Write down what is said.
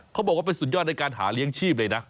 เขาบอกว่าเป็นสุดยอดในการหาเลี้ยงชีพเลยนะ